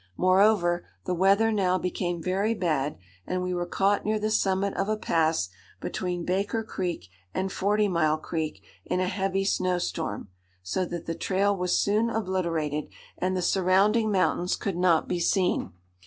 Moreover, the weather now became very bad, and we were caught near the summit of a pass between Baker Creek and Forty Mile Creek in a heavy snow storm, so that the trail was soon obliterated and the surrounding mountains could not be seen.